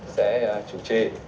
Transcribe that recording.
sẽ chủ trì